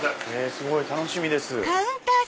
すごい楽しみです。